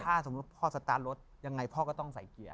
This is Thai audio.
ถ้าสมมุติพ่อสตาร์ทรถยังไงพ่อก็ต้องใส่เกียร์